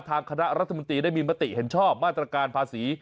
ทางคณะรัฐมนตรีได้มีมติเห็นชอบมาตรการภาษี